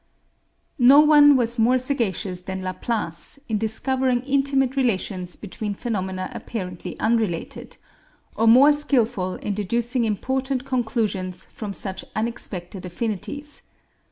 No one was more sagacious than Laplace in discovering intimate relations between phenomena apparently unrelated, or more skillful in deducing important conclusions from such unexpected affinities.